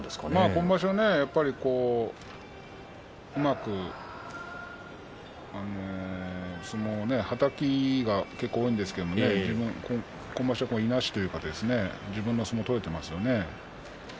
今場所はうまく相撲はたきが結構多いんですけど今場所は、いなしというか自分の相撲が取れていますね。